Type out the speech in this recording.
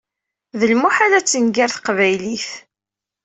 D lmuḥal ad tenger teqbaylit!